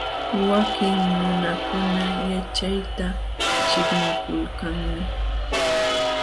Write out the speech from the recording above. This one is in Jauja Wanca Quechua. Wakin nunakuna yaćhayta ćhiqnikulkanmi.